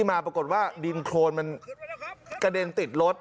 มาปรากฏว่าดินโครนมันกระเด็นติดรถ